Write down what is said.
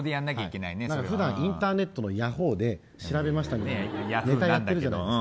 普段、インターネットのヤホーで調べましたっていうネタやってるじゃないですか。